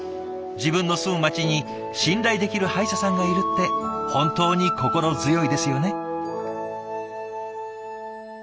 自分の住む町に信頼できる歯医者さんがいるって本当に心強いですよね。